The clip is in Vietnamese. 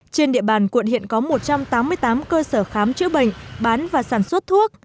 trên địa bàn quận hiện có một trăm tám mươi tám cơ sở khám chữa bệnh bán và sản xuất thuốc